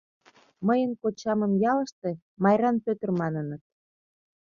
Мыйын кочамым ялыште Майран Пӧтыр маныныт.